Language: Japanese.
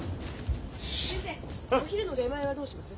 先生お昼の出前はどうします？